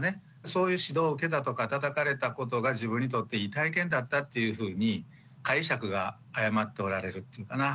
そういう指導を受けたとかたたかれたことが自分にとっていい体験だったっていうふうに解釈が誤っておられるっていうかな